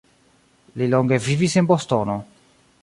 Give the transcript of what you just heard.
Li longe vivis en Bostono.